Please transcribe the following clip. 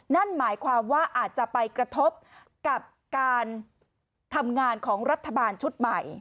นั่นหมายความว่าอาจจะไปกระทบกับการทำงานของรัฐบาลชุดใหม่